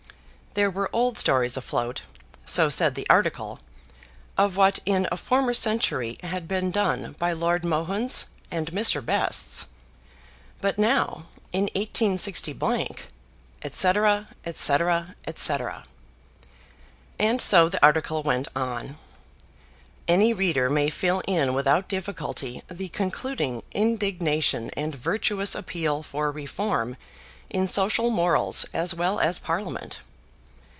There were old stories afloat, so said the article of what in a former century had been done by Lord Mohuns and Mr. Bests; but now, in 186 , &c. &c. &c. And so the article went on. Any reader may fill in without difficulty the concluding indignation and virtuous appeal for reform in social morals as well as Parliament.